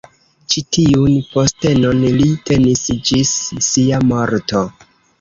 Ĉi tiun postenon li tenis ĝis sia morto.